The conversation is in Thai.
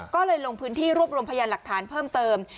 ก็เลยลงพื้นที่รวบรวมพยานหลักฐานเพิ่มเติม